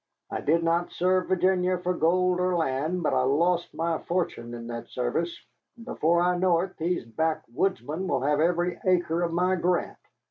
I did not serve Virginia for gold or land, but I lost my fortune in that service, and before I know it these backwoodsmen will have every acre of my grant.